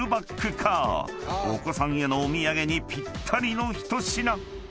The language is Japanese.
［お子さんへのお土産にぴったりの一品］